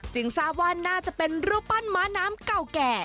ทราบว่าน่าจะเป็นรูปปั้นม้าน้ำเก่าแก่